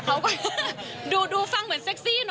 เขาก็ดูฟังเหมือนเซ็กซี่เนอ